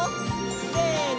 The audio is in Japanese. せの！